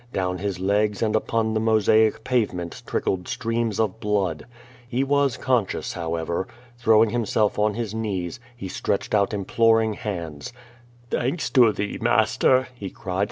Down his legs and upon the mosaic pavement trickled streams of blood. He was con scious, however. Throwing himself on his knees, he stretch ed out imploring hands. "Thanks to thee, master,'^ he cried.